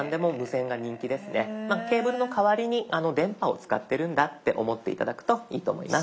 ケーブルの代わりに電波を使ってるんだって思って頂くといいと思います。